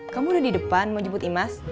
kamu udah di depan mau jemput imas